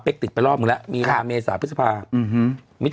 เป็กติดไปรอบมึงแล้วค่ะมีเมษาพฤษภาอื้อฮืม